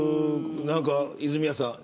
泉谷さん